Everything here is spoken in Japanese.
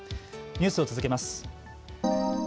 ニュースを続けます。